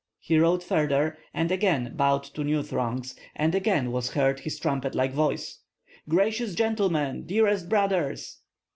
He rode farther, and again bowed to new throngs, and again was heard his trumpet like voice: "Gracious gentlemen, dearest brothers!"